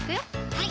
はい